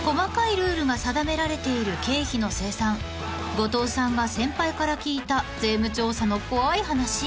［後藤さんが先輩から聞いた税務調査の怖い話］